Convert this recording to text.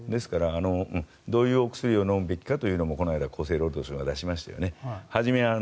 どういうお薬を飲むべきかというのもこの間、厚生労働省が出しましたよね。